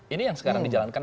ini yang sekarang dijalankan